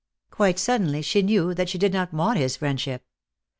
Quite suddenly she knew that she did not want his friendship.